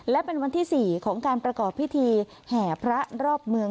และเป็นวันที่๔ของการประกอบพิธีแห่พระรอบเมือง